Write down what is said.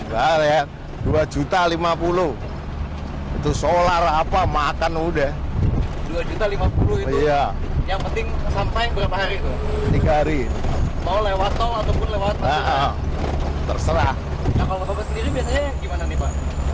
kalau bapak sendiri biasanya gimana nih pak